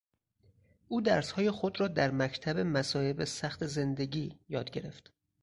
او درسهای خود را در مکتب مصایب سخت زندگی یاد گرفت.